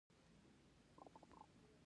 ددې کلیساوو لوړوالی له نورو ودانیو څخه زیات و.